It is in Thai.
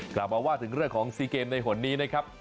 กลับมาว่าถึงเรื่องของซีเกมในหนนี้นะครับ